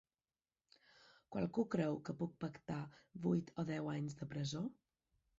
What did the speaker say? Algú creu que puc pactar vuit o deu anys de presó?